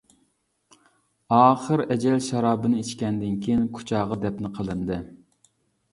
ئاخىر ئەجەل شارابىنى ئىچكەندىن كېيىن كۇچاغا دەپنە قىلىندى.